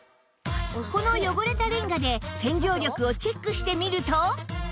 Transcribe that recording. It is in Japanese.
この汚れたレンガで洗浄力をチェックしてみると